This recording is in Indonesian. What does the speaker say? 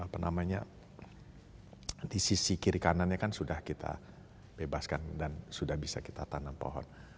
apa namanya di sisi kiri kanannya kan sudah kita bebaskan dan sudah bisa kita tanam pohon